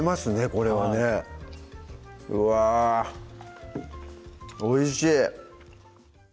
これはねうわおいしい